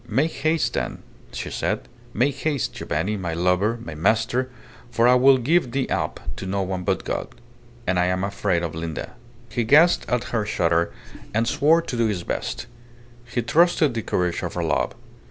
"Make haste, then," she said. "Make haste, Giovanni, my lover, my master, for I will give thee up to no one but God. And I am afraid of Linda." He guessed at her shudder, and swore to do his best. He trusted the courage of her love.